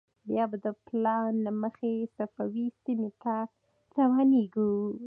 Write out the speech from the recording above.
بیا به د پلان له مخې صفوي سیمې ته روانېږو.